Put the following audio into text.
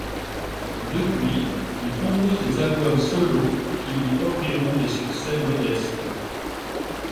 Depuis, il compose des albums solo qui lui offriront des succès modestes.